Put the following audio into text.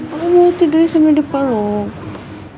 aku mau tidur di samudipa loh